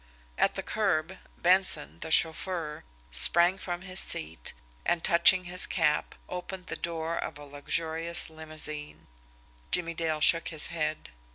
At the curb, Benson, the chauffeur, sprang from his seat, and, touching his cap, opened the door of a luxurious limousine. Jimmie Dale shook his head.